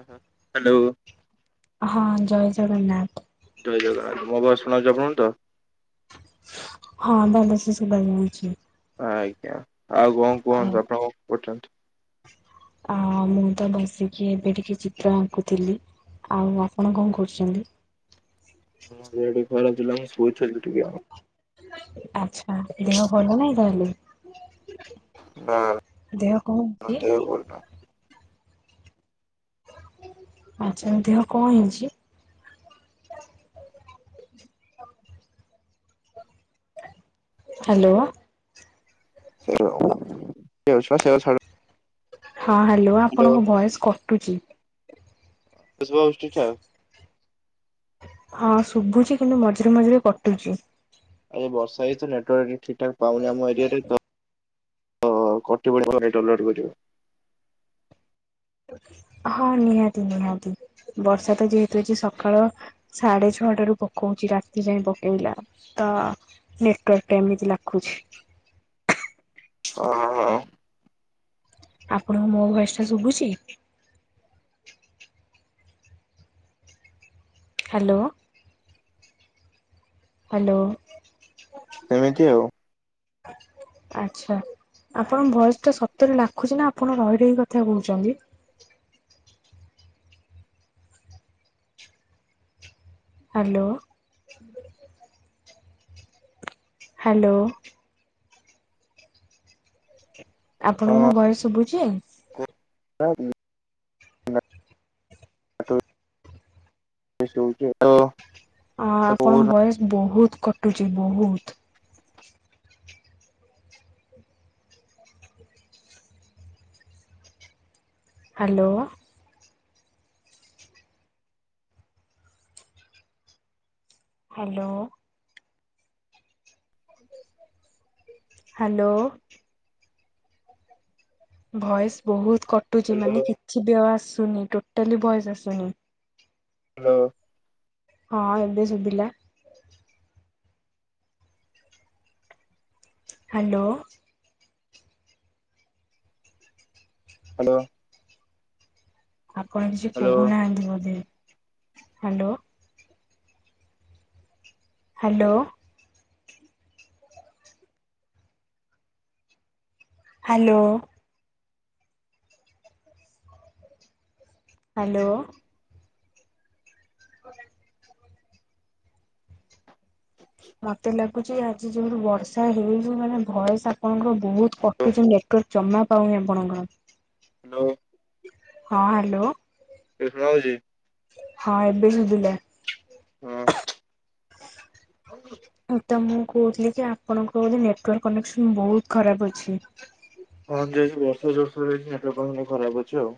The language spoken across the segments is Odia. ହୁଁ, ହୁଁ, ହାଲୋ। ହଁ, ଜୟ ଜଗନ୍ନାଥ। ଜୟ ଜଗନ୍ନାଥ ମୁଁ ଭଏସ ଶୁଣାହଉଛି ଆପଣଙ୍କୁ ତ? ହଁ ଭଲସେ ସୁଭା ଯାଉଛି। ଆଜ୍ଞା ଆଉ କଣ ଆଉ କୁହନ୍ତୁ ଆପଣଙ୍କ ପଠାନ୍ତୁ ଆ ମୁଁ ତ ବସିକି ଏବେ ଟିକେ ଚିତ୍ର ଆଙ୍କୁଥିଲି ଆଉ ଆପଣ କଣ କରୁଛନ୍ତି। ହଁ, ଗାଡି ଫାଳେ ଥିଲା ମୁଁ ଶୋଇଥିଲି ଟିକେ ଆଉ [unintelligible] ଆଛା ଦେହ ଭଲ ନାଇଁ ତାହଲେ। ଦେହ କଣ ନାଁ ହେଇଛି? ଦେହ ଭଲ ନାଇଁ। ଆଛା ଦେହ କଣ ହେଇଛି? ହାଲୋ। [unintelligible] ହଁ, ହାଲୋ ଆପଣଙ୍କ ଭଏସ୍ କଟୁଛି। ଏବେ ଶୁଭାଯାଉଛି ଠିକ୍ ଠାକ୍ [unintelligible] ହଁ ଶୁଭୁଛି କିନ୍ତୁ ମଝିରେ ମଝିରେ କଟୁଛି। ଆରେ ବର୍ଷା ହେଇଥିଲା ନେଟୱାର୍କ ଠିକ୍ ଠାକ୍ ପାଉନି ଆମ ଏରିଆରେ ତ। ତ କଟିଗଲା ପରେ ଡଲାର୍ କରିବେ [unintelligible] ହଁ, ନିହାତି ନିହାତି ବର୍ଷା ତ ଯେହେତୁ ଅଛି ସକାଳ ସାଢେ ଛଅଟାରୁୁ ପକଉଛି ରାତି ଯାଏ ପକେଇଲା ତ ନେଟୱାର୍କଟା ଏମିତି ଲାଗୁଛି। ଓ ହ ହ [unintelligible] ଆପଣଙ୍କୁ ମୋ ଭୟସ ଟା ଶୁଭୁଛି? ହାଲୋ। ହାଲୋ। ସେମିତି ଆଉ। [unintelligible] ଆଚ୍ଛା ଆପଣଙ୍କ ଭଏସ୍ ଟା ସତରେ ଲାଖୁଛି ନା ଆପଣ ରହିିଲେ କଥା କହୁଛନ୍ତି। ହାଲୋ। [inaudible] ହାଲୋ। ଆପଣଙ୍କୁ ହଁ। ମୋ ଭଏସ୍ ଶୁଭୁଛି। ହ୍ୟାଲୋ [unintelligible] ହଁ ଆପଣଙ୍କ ଭଏସ୍ ବହୁତ୍ କଟୁଛି ବହୁତ୍। ହାଲୋ। ହାଲୋ। ହାଲୋ। ଭଏସ୍ ବହୁତ କଟୁଛି ମାନେ କିଛିବି ଆଉ ଆସୁନି ଟୋଟାଲି ଭଏସ୍ ଆସୁନି। ହ୍ୟାଲୋ। ହଁ ଏବେ ସୁୁଭିଲା। ହ୍ୟାଲୋ। ହ୍ୟାଲୋ। ଆପଣ କିଛି ହ୍ୟାଲୋ କହୁନାହାନ୍ତି ବୋଧେ ହ୍ୟାଲୋ। ହ୍ୟାଲୋ। ହ୍ୟାଲୋ। ହ୍ୟାଲୋ। [inaudible] ମତେ ଲାଗୁଚି ଆଜି ଯେହେତୁ ବର୍ଷା ହେଉଛି ମାନେ ଭଏସ ଆପଣଙ୍କର ବହୁତ କଟୁଛି। ଜମା ପାଉନି ଆପଣଙ୍କର। ହ୍ୟାଲୋ। ହଁ ହ୍ୟାଲୋ। ଏବେ ଶୁଣାଯାଉଛି। ହଁ ଏବେ ଶୁଭିଲା ହଁ। ମୁଁ ତମକୁ କହୁଥିଲି କି ଆପଣଙ୍କ ବୋଧେ ନେଟୱାର୍କ କନେକ୍ସନ ବହୁତ ଖରାପ ଅଛି। ହଁ ଦିଦି ଆଜି ବର୍ଷା ଯୋର୍ଶୋରେ ହେଇଚି ନେଟୱର୍କ ସେଥିପାଇଁ ଖରାପ ଅଛି ଆଉ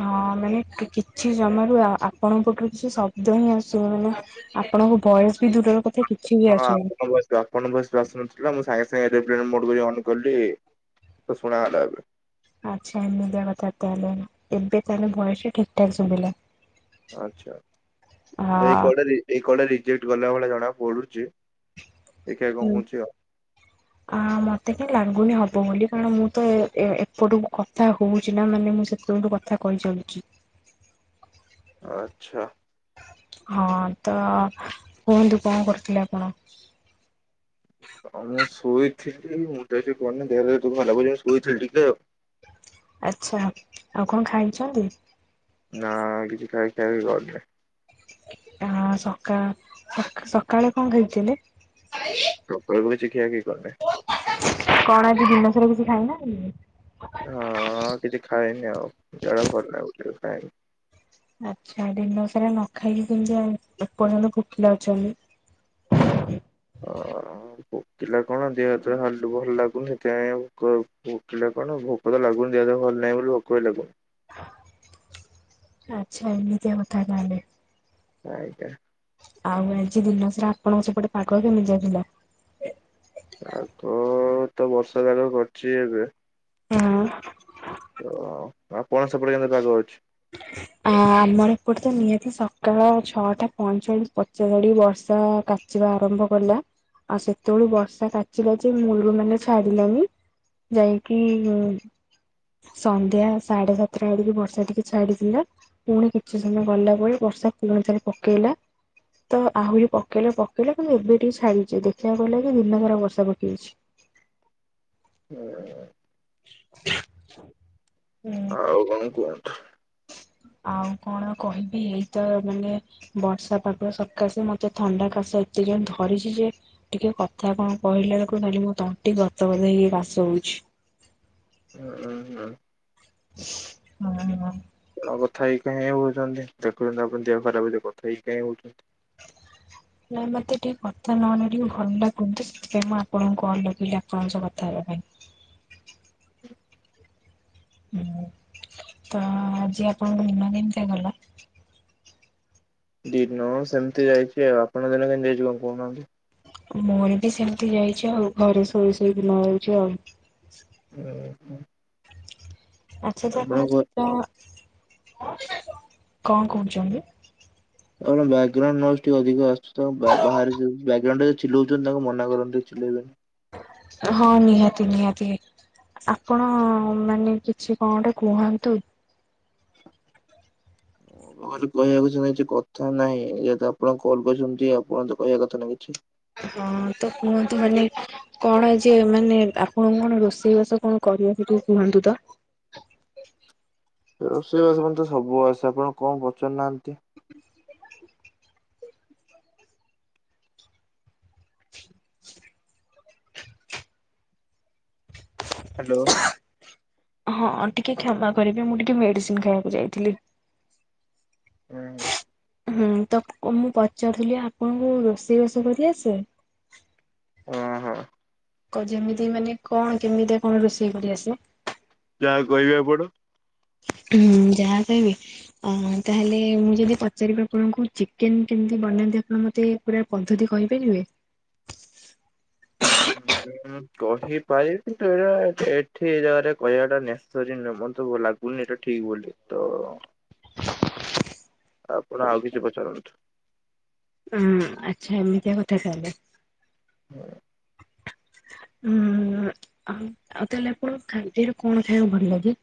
ହଁ ମାନେ କିଛି ଜମାରୁ ଆପଣଙ୍କଠୁ କିଛି ଶବ୍ଦ ହିଁ ଆସୁ ନଥିଲା। ଆପଣଙ୍କ ଭଏସ ବି ଦୂରର କଥା। କିଛି ବି ହଁ [unintelligible] ଆସୁନି। ଆପଣଙ୍କ ଭଏସ ବି ଆସୁନଥିଲା ମୁଁ ସାଙ୍ଗେ ସାଙ୍ଗେ ଏରୋପ୍ଲେନ ମୋଡ କରି ଅନ୍ କଲି ତ ଶୁଣାଗଲା ଏବେ। ଆଚ୍ଛା ଏମିତିଆ କଥା ତାହେଲେ ନା ଏବେ ତାହେଲେ ଭଏସ ଠିକ ଠାକ ଶୁଭିଲା। ଆଚ୍ଛା ତ ଏଇ କଆଡେ ହଁ ଏଇ କଆଡେ ରିଜେକ୍ଟ ଗଲା ଭଳିଆ ଜଣା ପଡୁଛି ଦେଖିଆ କଣ ହଉଚି ଆଉ। ହ ଆ ମୋତେ କହିଁ ଲାଗୁନି ହେବ ବୋଲି କାରଣ ମୁଁ ତ ଏପଟୁକୁ କଥା ହେଉଛି ନା ମାନେ ମୁଁ ସେ କଥା କହି ଚାଲିଚି। ଆଚଛା ହଁ ତ କୁହନ୍ତୁ କଣ କରୁଥିଲେ ଆପଣ। ହଉ ମୁଁ ଶୋଇଥିଲି ମୁଁ ତି କହନି ଦେହ ତ ଭଲ ମୁଁ ଶୋଇଥିଲି ଟିକେ ଆଉ ଆଚ୍ଛା ଆଉ କଣ ଖାଇଛନ୍ତି। ନା କିଛି ଖାଇନି ଖାଇବି ଗଲେ। ଆ ସକା ସକାଳେ କଣ ଖାଇଥିଲେ। ସକାଳୁ କିଛି ଖିଆ ଖି କରିନି। କଣ ଆଜି ଦିନସାରା କିଛି ଖାଇ ନାହାନ୍ତି। ହଁଁ କିଛି ଖାଏନି ଆଉ ଦେହ ଭଲ ନାହିଁ ଟିକେ ଖଏନି। ଆଚ୍ଛା ଦିନ ସାରା ନ ଖାଇକି କେମିତି ଆଉ ଏପର୍ଯ୍ୟନ୍ତ ଭୋକିଲା ଅଛନ୍ତି। ଅ ହ ଭୋକିଲା କଣ ଦେହ ହାତ ଭଲ ଲାଗୁନି କ ଭୋକିଲା କଣ ଭୋକ ଲାଗୁନି ଦେହ ହାତ ଭଲ ନାଇଁ ବୋଲି ଭୋକ ବି ଲାଗୁନି। ଆଚ୍ଛା ଏମିତିଆ କଥା ତାହେଲେ। ଆଜ୍ଞା। ଆଉ ଆଜି ଦିନସାରା ଆପଣଙ୍କ ସେପଟେ ପାଗ କେମିତିଆ ଥିଲା। ଆଉ କଣ ତ ବର୍ଷା ପାଗ କରିଛି ଏବେ। ଓ ଆପଣ ସପଟ କେନ୍ତ ପାାଗ ଅଛି [unintelligible] ଆ ଆମର ଏପଟେ ତ ନିହାତି ସକାଳ ଛଅଟା ପଁଇଚାଳିଶ, ପଚାଶ ଆଡିକି ବର୍ଷା କା କାଚିବା ଆରମ୍ଭ କଲା। ଆଉ ସେତେବେଳୁ ବର୍ଷା କାଚିଲା ଯେ ମୂଳରୁ ମାନେ ଛାଡିଲାନି। ଯାଇକି ସନ୍ଧ୍ୟା ସାଢେ ସାତଟା ଆଡିକି ବର୍ଷା ଟିକେ ଛାଡିଥିଲା ପୁଣି କିଛି ସମୟ ଗଲା ପରେ, ବର୍ଷା ପୁଣିଥରେ ପକେଇଲା। ତ ଆହୁରି ପକେଇଲେ ପକେଇଲେ କିନ୍ତୁ ଏବେ ଟିକେ ଛାଡିଛି। ଦେଖିବାକୁ ଗଲେକି ଦିନକରା ବର୍ଷା ପକେଇଛି। ହ [unintelligible] ହୁଁ [unintelligible] ଆଉ କଣ କୁହନ୍ତୁ? ଆଉ କଣ କହିବି, ଏଇତ ମାନେ ବର୍ଷା ପାଗ ସକାସେ ମତେ ଥଣ୍ଡା କାଶ ଏତେ ଜୋରେ ଧରିଛି ଯେ ଟିକେ କଥା କଣ କହିଲା ବେଳକୁ ଖାଲି ମୋ ତଣ୍ଟି ଗତ ଗତ ହେଇକି କାଶ ହଉଛି। ଉଁ, ହୁଁ। ହଁ ହଁ [unintelligible] ଆପଣ କଥା ହେଇକଁ ହଉଛନ୍ତି ଦେଖୁଛନ୍ତି ଆପଣ ଦେହ ଖରାପ ହଉଛି କଥା ହେଇି ହଁ ହଉଛନ୍ତି [unintelligible] ନା ମତେ ଟିକେ କଥା ନହେଲେ ଟିକେ ଭଲ ଲାଗୁନି। ସେଥିପାଇଁ ମୁଁ ଆପଣଙ୍କୁ କଲ୍ ଲଗେଇଲି, ଆପଣଙ୍କ ସହ କଥା ହେବା ପାଇଁ। ହୁଁ, ତ ଆଜି ଆପଣଙ୍କ ଦିନ କେମିତି ଗଲା? ଦିନ ସେମିତି ଯାଇଛି ଆଉ। ଆପଣ ଦିନ କେମିତି ଯାଇଛି କଣ କହୁନାହାନ୍ତି? ମୋର ବି ସେମିତି ଯାଇଛି ଆଉ, ଘରେ ଶୋଇ ଶୋଇ ଦିନ ହେଉଛି ଆଉ। ହୁଁ। ସତ ଆପଣ ଚିତ୍ର କଣ କହୁଛନ୍ତି [inaudible] ଆପଣଙ୍କ ବ୍ୟାଗ୍ରାଉଣ୍ଡ ନଏଜ୍ ଟିକେ ଅଧିକ ଆସୁଛି। ତ ବାହାରେ ବ୍ୟାଗ୍ରାଉଣ୍ଡ ଚିଲଉଛନ୍ତି, ତାଙ୍କୁ ମନା କର ଟିକେ ଚିଲେଇବେନି? ହଁ, ନିହାତି ନିହାତି। ଆପଣ ମାନେ କିଛି କଣ ଗୋଟେ କୁହନ୍ତୁ? ମୋର କହିବାକୁ କିଛି କଥା ନାହିଁ। ଯେହେତୁ ଆପଣ କଲ୍ କରିଛନ୍ତି? ଆପଣ ତ କହିବା କଥା ନା କିଛି? ହଁ, ତ କୁହନ୍ତୁ ମାନେ କଣ ଯେ ମାନେ ଆପଣ କଣ ରୋଷେଇ ବାସ କଣ କରିବ? ଟିକେ କୁହନ୍ତୁ ତ? ରୋଷେଇବାସ ମତେ ସବୁ ଆସେ। ଆପଣ କଣ ପଚାରୁନାହାନ୍ତି? ହାଲୋ। ହଁ, ଟିକେ କ୍ଷମା କରିଵେ। ମୁଁ ଟିକେ ମେଡ଼ିସିନ ଖାଇବାକୁ ଯାଇଥିଲି। ହୁଁ। ହୁଁ, ତ ମୁଁ ପଚାରୁଥିଲି ଆପଣଙ୍କୁ ରୋଷେଇ ବାସ କରି ଆସେ? ଓହୋ। କ ଯେମିତି ମାନେ କଣ କେମିତି ଆପଣଙ୍କୁ ରୋଷେଇ କରି ଆସେ? ଯାହା କହିବେ ଆପଣ? ହୁଁ, ଯାହା କହିବି? ଅ ତାହେଲେ ମୁଁ ଯଦି ପଚାରିବି ଆପଣଙ୍କୁ? ଚିକେନ କେମିତି ବନାନ୍ତି? ଆପଣ ମୋତେ ପୁରା ପଦ୍ଧତି କହିପାରିବେ? ହୁଁ [inaudible] ହଁ କହିପାରିବି। କିନ୍ତୁ ଏଗୁଡା ଏଠି ଏ ଜାଗାରେ କହିବାଟା [unintelligible] ନର ମତେ ଲାଗୁ ନି ଏଟା ଠିକ୍ ବୋଲି। ତ ଆପଣ ଆଉ କିଛି ପଚାରନ୍ତୁ। ହୁଁ ଆଚ୍ଛା ଏମିତିଆ କଥା ତାହେଲେ। ହଁ ଉଁ ତାହେଲେ ଆପଣ ଖାଦରେ କଣ ଖାଇବାକୁ ଭଲ ଲାଗେ।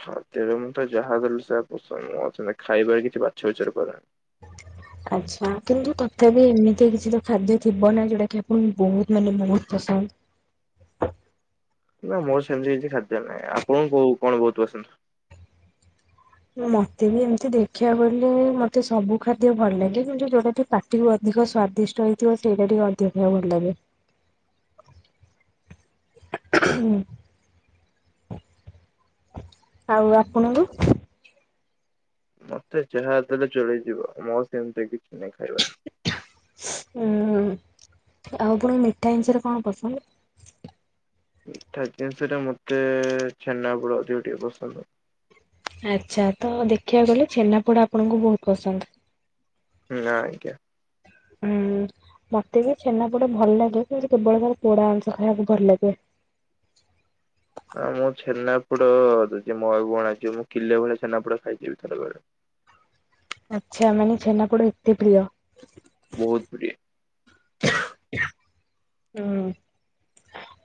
ଖାଦ୍ୟରେ ମୁଁ ତ ଯାହା ଦେଲେ ସେଇଆ ପସନ୍ଦ ମୋର ସେମିତି ଖାଇବାରେ କିଛି ବାଛ ବିଚାର କରେନି। ଆଚ୍ଛା କିନ୍ତୁ ତଥାପି ଏମିତି କିଛି ତ ଖାଦ୍ୟ ଥିବ ନା ଯୋଉଟା କି ଆପଣଙ୍କୁ ବହୁତ ମାନେ ବହୁତ ପସନ୍ଦ। ନାଁ ମୋର ସେମିତି କିଛି ଖାଦ୍ୟ ନାହିଁ ଆପଣଙ୍କୁ କୋଉ କଣ ବହୁତ ପସନ୍ଦ? ମତେ ବି ଏମିତି ଦେଖିବାକୁ ଗଲେ ମତେ ସବୁ ଖାଦ୍ୟ ଭଲ ଲାଗେ କିନ୍ତୁ ଯୋଉଟା ବି ପା ଟିକୁ ଅଧିକ ସ୍ଵାଦିଷ୍ଟ ହେଇଥିବ ସେଇଟା ଟିକେ ଅଧିକ ଖଇବା ଭଲ ଲାଗେ। ଆଉ ଆପଣଙ୍କୁ? ମତେ ଯାହା ଦେଲେ ଚଳିଯିବ ମୋର ସେମିତି କିଛି ନାହିଁ ଖାଇବାରେ। ଉଁ ଆଉ ପୁଣି ମିଠା ଜିନଷରେ କଣ ପସନ୍ଦ? ମିଠା ଜିନିଷରେ ମତେ ଛେନାପୋଡ଼ ଅଧିକ ଟିକେ ପସନ୍ଦ। ଆଚ୍ଛା ତ ଦେଖିବାକୁ ଗଲେ ଛେନାପୋଡ଼ ଆପଣଙ୍କୁ ବହୁତ ପସନ୍ଦ। ନାଁ ଆଜ୍ଞା। ହୁଁ। ମତେ ବି ଛେନା ପୋଡ଼ ଭଲ ଲାଗେ କିନ୍ତୁ କେବଳ ତାର ପୋଡା ଅଂସ ଖାଇବାକୁ ଭଲ ଲାଗେ। ହଁ ମୁଁ ଛେନାପୋଡ଼ ଯଦି ମୋ ଆଗକୁ କଣ ଆସିବ ମୁଁ କିଲେ ଭଳିଆ ଛେନାପୋଡ଼ ଖାଇଯିବି ଥରକରେ। ଆଚ୍ଛା ମାନେ ଛେନାପୋଡ଼ ଏତେ ପ୍ରିୟ। ବହୁତ ପ୍ରିୟ। ହୁଁ।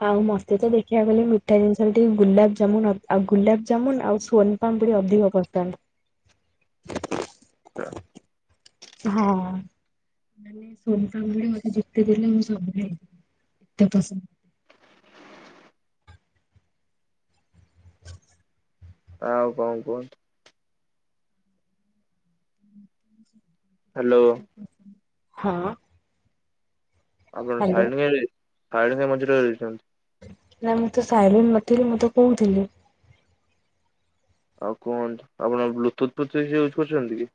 ଆଉ ମତେ ତ ଦେଖିବାକୁ ଗଲେ ମିଠା ଜିନିଷରେ ଟିକେ ଗୁଲାପ ଜାମୁନ ଆଉ ଗୁଲାପଜାମୁନ ଆଉ ସୋ ପୁରୀ ଅଧିକ ପସନ୍ଦ। ନାଁ। ହଁ। ମାନେ ସୋଂପାମ୍ପୁଡ଼ି ମତେ ଯେତେ ଦେଲେ ମୁଁ ସବୁ ଖାଇଯିବି ଏତେ ପସନ୍ଦ। ଆଉ କଣ କୁହନ୍ତୁ। ହ୍ୟାଲୋ। ହଁ। ଆପଣ ହ୍ୟାଲୋ ସାଇଲେଣ୍ଟ କାଇଁ ସାଇଲେଣ୍ଟ ମଝୀରରେ ରହିଛନ୍ତି। ନାଇଁ ମୁଁ ତ ସାଇଲେଣ୍ଟ ନଥିଲି ମୁଁ ତ କହୁଥିଲି। ଆଉ କୁହନ୍ତୁ ଆପଣ ବ୍ଲୁଟୁଥ୍ ଫ୍ଲୁତୁର୍ଥ ୟୁଜ୍ କରିଛନ୍ତି କି?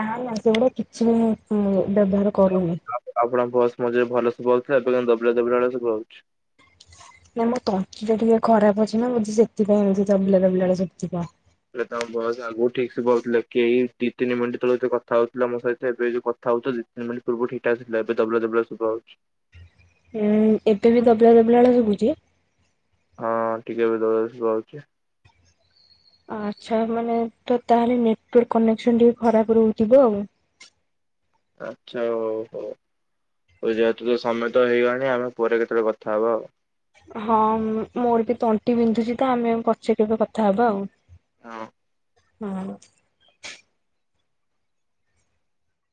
ନାଁ ନାଁ ସେଗୁଡା କିଛି ବି ମୁଁ ମୁଁ ବ୍ୟବହାର କରୁନି। ଆପଣଙ୍କ ଭଏସ ମଝୀରେ ଭଲ ଶୁଭା ହଉଥିଲା ଏବେ କିନ୍ତୁ ଦବିଲା ଦବିଲା ଭଳିଆ ଶୁଭା ହଉଛି। ନାଇଁ ମୋ ତଣ୍ଟି ଟା ଟିକେ ଖରାପ ଅଛି ନା ବୋଧେ ସେଥିପାଇଁ ଏମିତି ଦବିଲା ଦବିଲା ଶୁଭୁଥିବ। ହେଲେ ତମ ଭୟେସ ଆଗକୁ ଠିକ ଶୁଭାହୁଥିଲେ କେଇ ଦି ତିନି ମିନିଟ ତଳେ କଥା ହଉଥିଲ ମୋ ସହିତ ଏବେ ଯୋଉ କ କଥା ହଉଥିଲ ଦି ତିନି ମିନିଟ ପୂର୍ବରୁ ଠିକ୍ ଠାକ୍ ଥିଲା ଏବେ ଦବିଲା ଦବିଲା ଶୁଭାଯାଉଛି ହୁଁ ଏବେ ବି ଦବଲା ଦବିଲା ଭଳିଆ ଶୁବୁଛି? ହଁ ଟିକେ ଏବେ ଦବିଲା ଭଳିଆ ଶୁଭାହଉଛି। ଆଚ୍ଛା ମାନେ ତ ତାହେଲେ ନେଟୱାର୍କ କନେକ୍ସନ ଟିକେ ଖରାପ ରହୁଥିବ ଆଉ। ଆଛା ହଉ ହଉ। ଆଉ ଯେହେତୁ ତ ସମୟତ ହେଇଗଲାଣି ଆମେ ପରେ କେତେବେଳେ କଥା ହବା ଆଉ। ହଁ ମୋର ବି ତଣ୍ଟି ବିନ୍ଧୁଛି ତ ଆମେ ପଛେ କେବେ କଥାହବା ଆଉ। ହଁ। ହୁଁ।